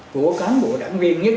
của cán bộ đảng viên nhất